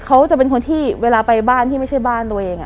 เขาจะเป็นคนที่เวลาไปบ้านที่ไม่ใช่บ้านตัวเอง